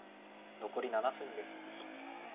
残り７分です。